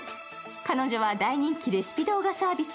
彼女は大人気レシピ動画サービス